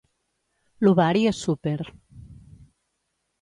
L'ovari és súper.